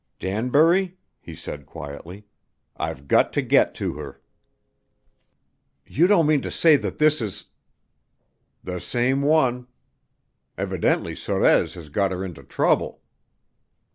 "Danbury," he said quietly, "I've got to get to her." "You don't mean to say that this is " "The same one. Evidently Sorez has got her into trouble."